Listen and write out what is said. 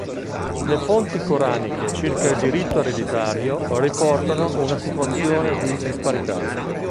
Le fonti coraniche circa il diritto ereditario riportano una situazione di disparità.